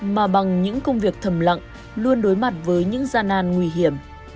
mà bằng những công việc thầm lặng luôn đối mặt với những gian nan nguy hiểm